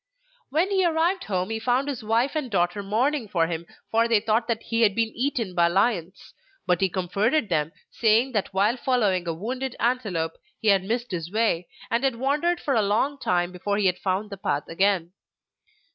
When he arrived home he found his wife and daughter mourning for him, for they thought that he had been eaten by lions; but he comforted them, saying that while following a wounded antelope he had missed his way and had wandered for a long time before he had found the path again.